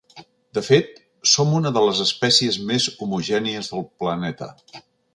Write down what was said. De fet, som una de les espècies més homogènies del planeta.